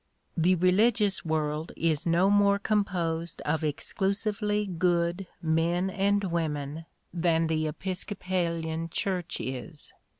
The "religious world" is no more composed of exclusively good men and women than the Episcopalian Church is.